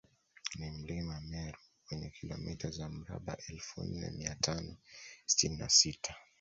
Ni mlima Meru wenye kilomita za mraba elfu nne mia tano sitini na sita